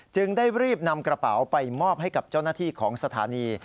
จึงได้รีบนำกระเป๋าไปมอบให้กับเจ้าหน้าที่ของสถานี